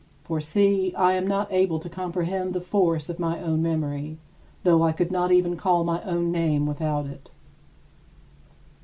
For see, I am not able to comprehend the force of my own memory, though I could not even call my own name without it.